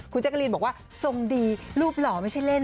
ครู่เจกต์เกอรีท์บอกว่าทรงดีลูกเหล่าไม่ใช่เล่น